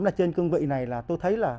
là trên cương vị này là tôi thấy là